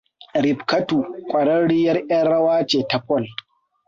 Rifkatu ƙwararriyar ƴar rawa ce ta pole.